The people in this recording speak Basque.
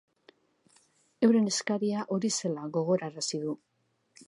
Euren eskaria hori zela gogorarazi du.